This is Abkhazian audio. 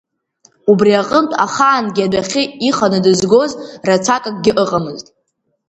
Убри аҟынтә, ахаангьы адәахьы иханы дызгоз рацәак акгьы ыҟамызт.